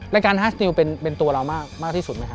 รายการฮาสติลเป็นตัวเรามากที่สุดไหมฮ